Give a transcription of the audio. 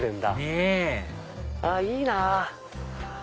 ねぇいいなぁ。